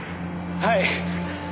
はい。